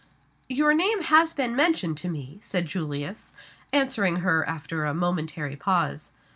"Your name has been mentioned to me," said Julius, answering her after a momentary pause.